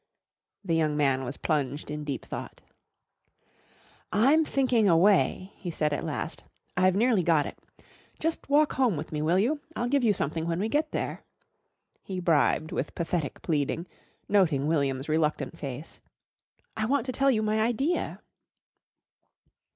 The young man was plunged in deep thought. "I'm thinking a way," he said at last. "I've nearly got it. Just walk home with me, will you? I'll give you something when we get there," he bribed with pathetic pleading, noting William's reluctant face. "I want to tell you my idea."